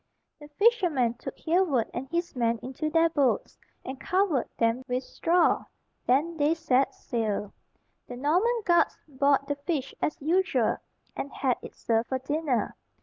The fishermen took Hereward and his men into their boats, and covered them with straw; then they set sail. The Norman guards bought the fish as usual, and had it served for dinner.